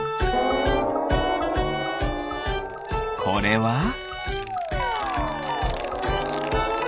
これは？